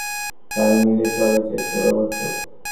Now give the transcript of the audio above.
তাল মিলিয়ে চলার চেষ্টা করো, কচ্ছপ।